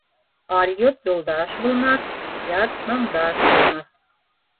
Алйот юлдаш булмаҫ, ят моңдаш булмаҫ.